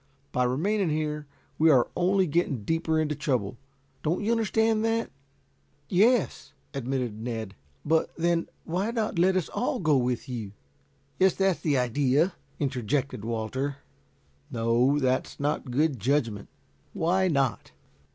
By remaining here we are only getting deeper into trouble. Don't you understand that?" "Yes," admitted Ned. "But, then, why not let us all go with you?" "Yes, that's the idea," interjected Walter. "No, that is not good judgment." "Why not?"